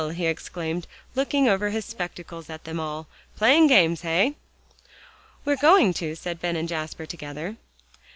he exclaimed, looking over his spectacles at them all. "Playing games, hey?" "We're going to," said Ben and Jasper together.